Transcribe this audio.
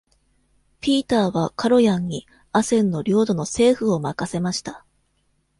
ピーターはカロヤンにアセンの領土の政府を任せました。